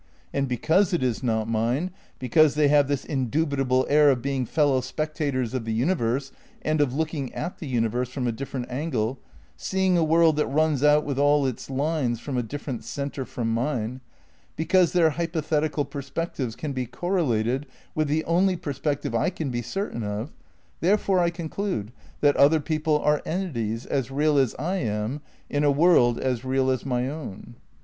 And be cause it is not mine, because they have this indubitable air of being fellow spectators of the universe and of looking at the universe from a different angle, seeing a world that runs out with all its lines from a different centre from mine ; because their hypothetical perspec tives can be correlated with the only perspective I can be certain of, therefore I conclude that other people are entities as real as I am in a world as real as my own.